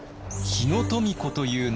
日野富子という名前